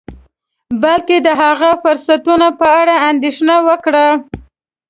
بلکې د هغه فرصتونو په اړه اندیښنه وکړه